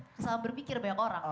kesalahan berpikir banyak orang